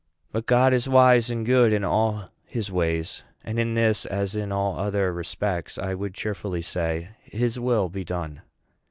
But God is wise and good in all his ways; and in this, as in all other respects, I would cheerfully say, His will be done."